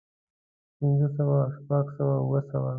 پنځۀ سوه شپږ سوه اووه سوه